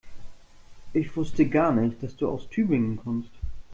Ich wusste gar nicht, dass du aus Tübingen kommst